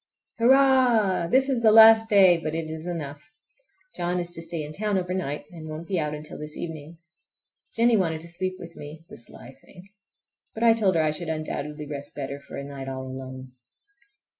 Hurrah! This is the last day, but it is enough. John is to stay in town over night, and won't be out until this evening. Jennie wanted to sleep with me—the sly thing! but I told her I should undoubtedly rest better for a night all alone.